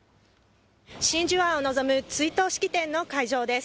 真珠湾を臨む追悼式典の会場です。